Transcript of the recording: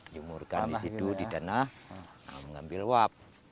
dijemurkan di situ di tanah mengambil uap